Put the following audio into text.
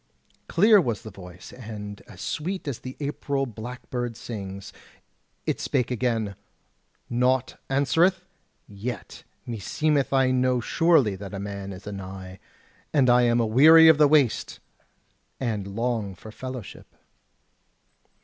Clear was the voice, and as sweet as the April blackbird sings. It spake again: "Naught answereth, yet meseemeth I know surely that a man is anigh; and I am aweary of the waste, and long for fellowship."